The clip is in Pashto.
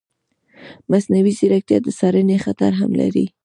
مصنوعي ځیرکتیا د څارنې خطر هم لري.